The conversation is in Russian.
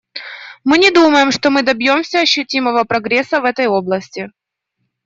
Мы не думаем, что мы добьемся ощутимого прогресса в этой области.